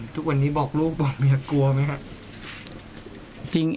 ทุกวันนี้บอกลูกบอกเมียกลัวไหมครับ